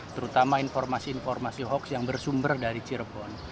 terutama informasi informasi hoax yang bersumber dari cirebon